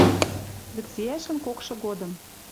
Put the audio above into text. Вӹциӓшӹн кокшы годым